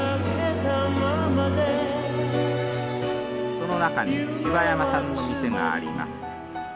この中に芝山さんの店があります。